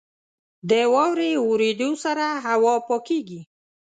• د واورې اورېدو سره هوا پاکېږي.